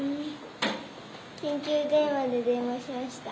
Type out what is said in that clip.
緊急電話で電話しました。